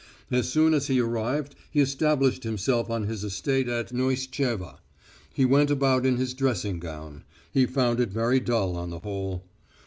As soon as he arrived he established himself on his estate at Pneestcheva. He went about in his dressing gown. He found it very dull on the whole.